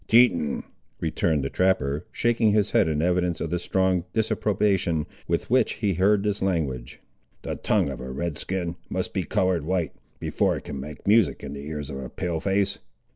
"Teton," returned the trapper, shaking his head in evidence of the strong disapprobation with which he heard this language, "the tongue of a Red skin must be coloured white, before it can make music in the ears of a Pale face.